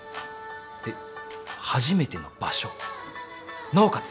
で初めての場所なおかつ